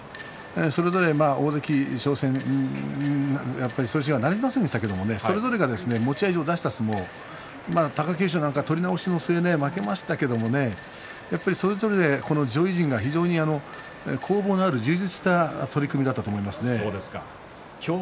それぞれ大関昇進はなりませんでしたけどそれぞれが持ち味を出した相撲貴景勝なんか取り直しの末負けましたけどねそれぞれ上位陣が非常に攻防のある充実した取組だったと思いますね。